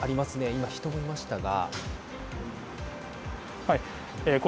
今、人がいましたが。